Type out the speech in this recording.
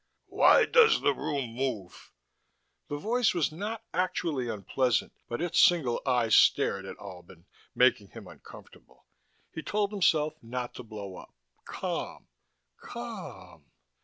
"Why does the room move?" The voice was not actually unpleasant, but its single eye stared at Albin, making him uncomfortable. He told himself not to blow up. Calm. _Calm.